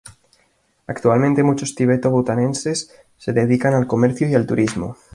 Actualmente muchos tibeto-butaneses se dedican al comercio y al turismo.